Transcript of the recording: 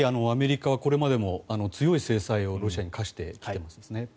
アメリカはかなりこれまでも強い制裁をロシアに科してきていますね。